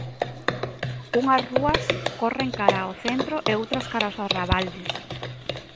Unhas rúas corren cara ao centro e outras cara aos arrabaldes.